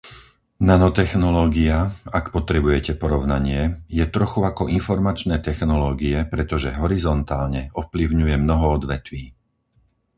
Nanotechnológia, ak potrebujete porovnanie, je trochu ako informačné technológie, pretože horizontálne ovplyvňuje mnoho odvetví.